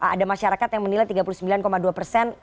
ada masyarakat yang menilai tiga puluh sembilan dua persen